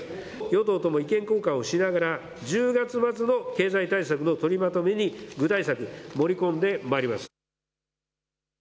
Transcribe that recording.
与党とも意見交換をしながら１０月末の経済対策の取りまとめに具体策、盛り込んでまいります。